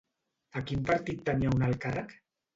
A quin partit tenia un alt càrrec?